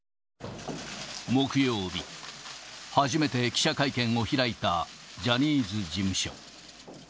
木曜日、初めて記者会見を開いたジャニーズ事務所。